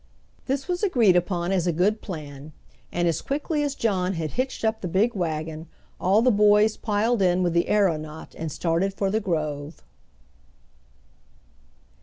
This was agreed upon as a good plan, and as quickly as John had hitched up the big wagon ail the boys piled in with the aeronaut and started for the grove.